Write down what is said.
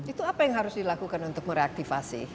itu apa yang harus dilakukan untuk mereaktivasi